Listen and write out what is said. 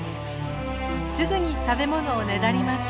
すぐに食べ物をねだります。